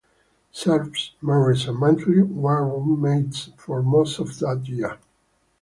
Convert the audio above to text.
Cerv, Maris and Mantle were roommates for most of that year.